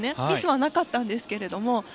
ミスはなかったんですけれども。